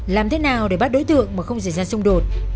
làm thế nào để bắt đối tượng mà không xảy ra xung đột